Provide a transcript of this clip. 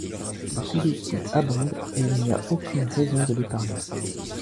Le combustible abonde, et il n’y a aucune raison de l’épargner.